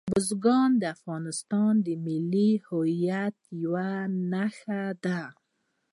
بزګان د افغانستان د ملي هویت یوه نښه ده.